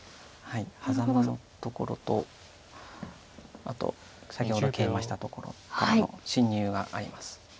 ハザマのところとあと先ほどケイマしたところからの侵入があります。